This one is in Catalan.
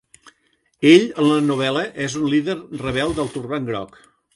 Ell en la novel·la és un líder rebel del Turbant Groc.